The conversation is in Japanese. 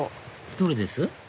どれです？